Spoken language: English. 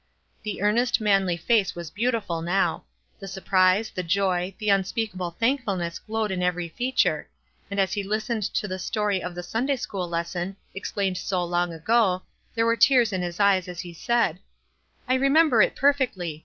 The earnest, manly face was beautiful now — the surprise, the joy, the unspeakable thankful ness glowed in every feature — and as he lis tened to the story of the Sunday school lesson, explained so long ago, there were tears in his eyes as he said, — "I remember it perfectly.